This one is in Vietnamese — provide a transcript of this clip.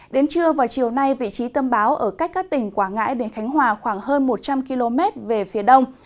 đến trưa vào chiều nay vị trí tâm báo ở cách các tỉnh quảng ngãi đến khánh hòa khoảng hơn một trăm linh km về phía đông